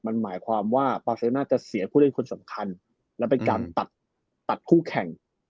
มันหมายความว่าปาเซลน่าจะเสียผู้เล่นคนสำคัญและเป็นการตัดคู่แข่ง